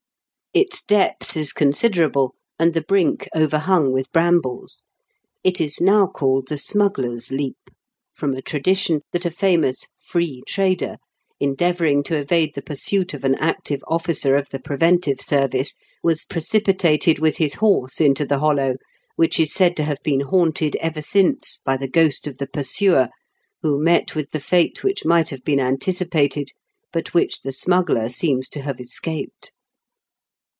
Its depth i& considerable, and the brink overhung with brambles. It is now called the Smuggler'^ Leap, from a tradition that a famous " free trader," endeavouring to evade the pursuit of an active officer of the preventive service, wa& precipitated with his horse into the hollow, which is said to have been haunted ever since by the ghost of the pursuer, who met with the fate which might have been anticipated, but which the smuggler seems to have escaped.